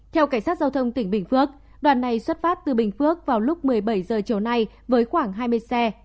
theo cảnh sát giao thông tỉnh bình phước đoàn này xuất phát từ bình phước vào lúc một mươi bảy h chiều nay với khoảng hai mươi xe